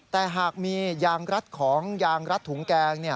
แต่หากมียางรัดของยางรัดถุงแกง